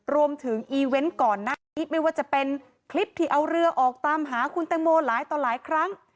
อีเวนต์ก่อนหน้านี้ไม่ว่าจะเป็นคลิปที่เอาเรือออกตามหาคุณแตงโมหลายต่อหลายครั้ง